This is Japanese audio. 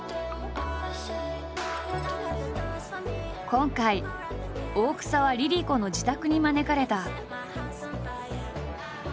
今回大草はＬｉＬｉＣｏの自宅に招かれた。